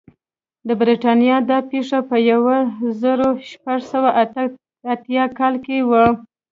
د برېټانیا دا پېښه په یو زرو شپږ سوه اته اتیا کال کې وه.